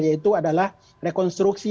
yaitu adalah rekonstruksi